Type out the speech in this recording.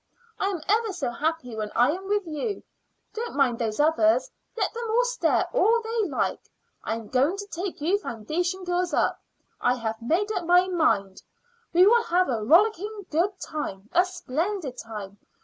I am ever so happy when I am with you. Don't mind those others; let them stare all they like. I am going to take you foundation girls up. I have made up my mind. We will have a rollicking good time a splendid time.